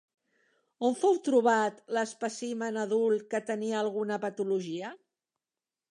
On fou trobat l'espècimen adult que tenia alguna patologia?